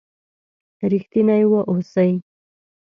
رښتيني و اوسئ!